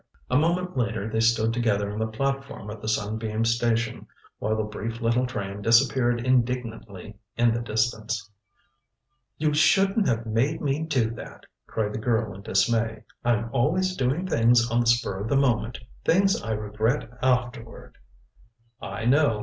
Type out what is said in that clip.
A moment later they stood together on the platform of the Sunbeam station, while the brief little train disappeared indignantly in the distance. "You shouldn't have made me do that!" cried the girl in dismay. "I'm always doing things on the spur of the moment things I regret afterward " "I know.